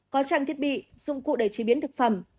có trang thiết bị dụng cụ để chế biến thực phẩm